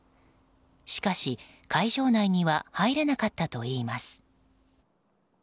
しかし、会場内には入れなかったといいます。